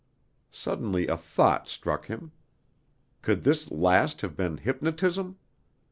Suddenly a thought struck him. Could this last have been hypnotism?